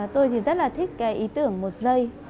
tôi rất là thích ý tưởng một dây